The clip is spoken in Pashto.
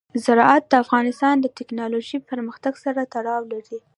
زراعت د افغانستان د تکنالوژۍ پرمختګ سره تړاو لري.